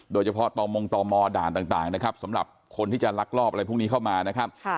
โดยเฉพาะต่อมงตมด่านต่างนะครับสำหรับคนที่จะลักลอบอะไรพวกนี้เข้ามานะครับ